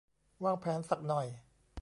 วางแผนสักหน่อย